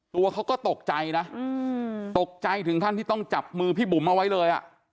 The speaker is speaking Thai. ตัวเขาก็ตกใจนะตกใจถึงขั้นที่ต้องจับมือพี่บุ๋มเอาไว้เลย